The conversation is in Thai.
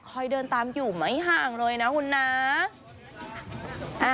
เดินตามอยู่ไม่ห่างเลยนะคุณน้า